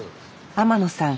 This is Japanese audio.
天野さん